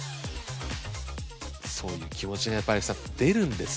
そういう気持ちがやっぱり青木さん出るんですね。